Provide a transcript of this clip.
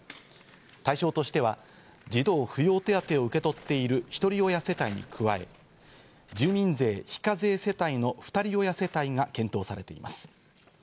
対象としては児童扶養手当を受け取っているひとり親世帯に加え、住民税非課税世帯のふたり親世帯が検討されています。